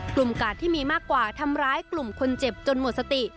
กาดที่มีมากกว่าทำร้ายกลุ่มคนเจ็บจนหมดสติ